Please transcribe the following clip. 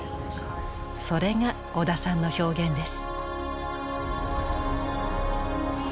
それが織田さんの表現です。